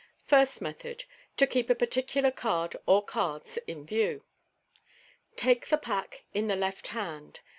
First Method. (To keep a particular card or cards in view.)— Take the pack in the left hand.